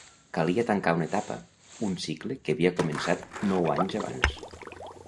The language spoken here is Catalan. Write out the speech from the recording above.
Calia tancar una etapa, un cicle que havia començat nou anys abans.